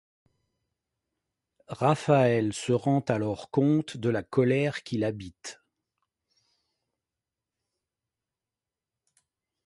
Raphaël se rend alors compte de la colère qui l'habite.